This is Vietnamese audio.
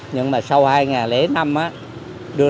nhưng mà sau hai nghìn năm đó